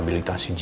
di rumah rehatnya